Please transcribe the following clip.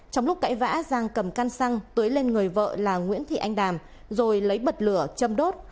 trong lúc cãi vã giang cầm căng xăng tưới lên người vợ là nguyễn thị anh đàm rồi lấy bật lửa châm đốt